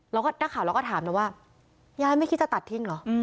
แล้วก็นักข่าวเราก็ถามนะว่ายายไม่คิดจะตัดทิ้งเหรอ